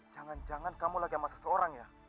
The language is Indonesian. jangan jangan kamu lagi sama seseorang ya